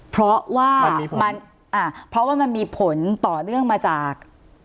เพราะว่ามันมีผลต่อเนื่องมาจาก